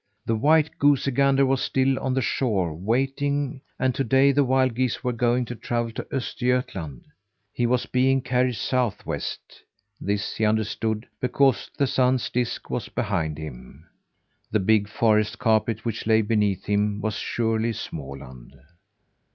The white goosey gander was still on the shore, waiting, and to day the wild geese were going to travel to Östergötland. He was being carried southwest; this he understood because the sun's disc was behind him. The big forest carpet which lay beneath him was surely Småland.